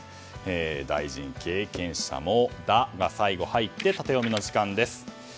大臣経験者もの「ダ」が入ってタテヨミの時間です。